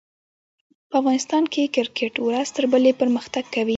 په افغانستان کښي کرکټ ورځ تر بلي پرمختګ کوي.